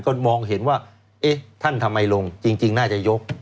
ก็มองเห็นว่าเอ๊ะท่านทำไมลงจริงน่าจะยก